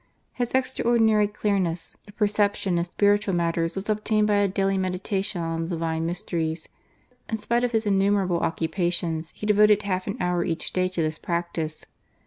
His extraordinary clearness of perception in spiritu^ matters was obtained by a daily meditation on the Divine mysteries. In spite of his innumerable occupations, he devoted half an hour each day to this practice.